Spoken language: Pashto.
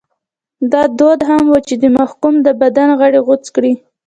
دا دود هم و چې د محکوم د بدن غړي غوڅ کړي.